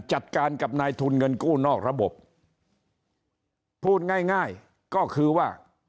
จัดการกับนายทุนเงินกู้นอกระบบพูดง่ายง่ายก็คือว่า